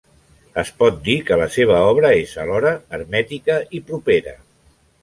Es pot dir que la seva obra és alhora hermètica i propera.